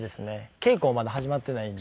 稽古もまだ始まっていないんで。